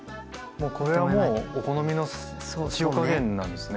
もうこれはもうお好みの塩加減なんですね。